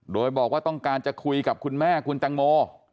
โดยบอกว่าต้องการจะคุยกับคุณแม่คุณตังโม